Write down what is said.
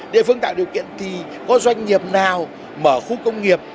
địa phương tạo điều kiện thì có doanh nghiệp nào mở khu công nghiệp